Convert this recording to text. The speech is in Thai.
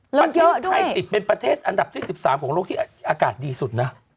ประเทศไทยติดเป็นประเทศอันดับที่๑๓ของโลกที่อากาศดีสุดนะ